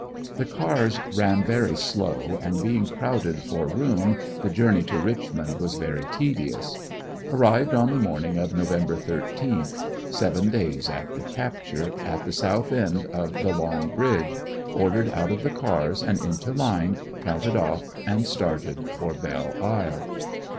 The cars ran very slow, and being crowded for room the journey to Kichmond was very tedious. Arrived on the morning of Nov. 13th, seven days after capture, at the south end of the ''long bridge," ordered out of the cars and into line, counted off and started for Belle Isle.